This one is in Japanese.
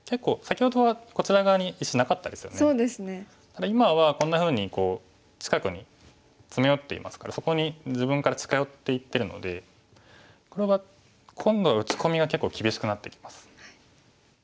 ただ今はこんなふうに近くに詰め寄っていますからそこに自分から近寄っていってるのでこれは今度打ち込みが結構厳しくなってきます。